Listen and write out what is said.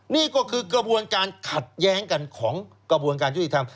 นี่ก็คือกระบวนการขัดแย้งกันของกระบวนการยุติธรรม